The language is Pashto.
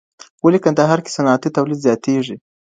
ولي کندهار کي صنعتي تولید زیاتېږي؟